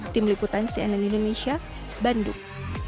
tim liputan cnn indonesia bandung